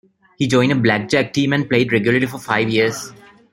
He joined a blackjack team and played regularly for five years.